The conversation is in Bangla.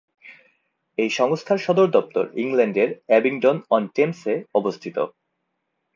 এই সংস্থার সদর দপ্তর ইংল্যান্ডের অ্যাবিংডন-অন-টেমসে অবস্থিত।